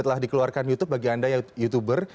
telah dikeluarkan youtube bagi anda yang youtuber